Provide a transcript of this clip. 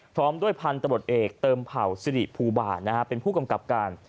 พร้อมด้วยพันธบทเอกเติมเผ่าสิริภูบาลเป็นผู้กำกับการ